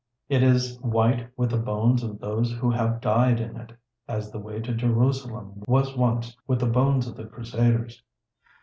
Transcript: It is white with the bones of those who have died in it, as the way to Jerusalem was once with the bones of the Crusaders.